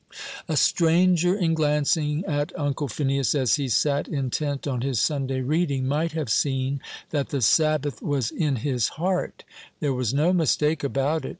A stranger, in glancing at Uncle Phineas as he sat intent on his Sunday reading, might have seen that the Sabbath was in his heart there was no mistake about it.